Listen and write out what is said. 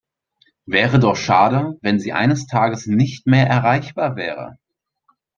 Wäre doch schade, wenn Sie eines Tages nicht mehr erreichbar wäre.